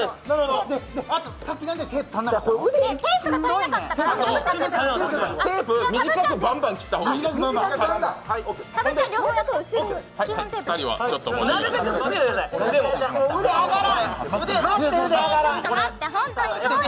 テープ短くバンバン切った方がいい。